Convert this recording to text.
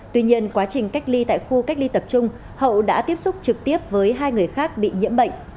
tuy nhiên quá trình cách ly tại khu cách ly tập trung hậu đã tiếp xúc trực tiếp với hai người khác bị nhiễm bệnh